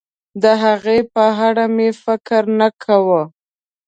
د هغې په اړه مې فکر نه کاوه.